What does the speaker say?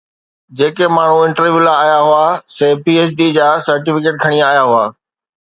جيڪي ماڻهو انٽرويو لاءِ آيا هئا، سي پي ايڇ ڊي جا سرٽيفڪيٽ کڻي آيا هئا.